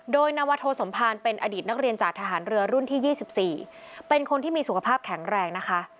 โดยนวโทสมภารเป็นอดีตนักเรียนจากทหารเรือรุ่นที่๒๔เป็นคนที่มีสุขภาพแข็งแรงนะคะ